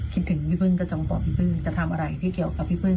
คิดถึงพี่เปิ้ลก็ต้องบอกพี่ปื่นจะทำอะไรที่เกี่ยวกับพี่ปื่น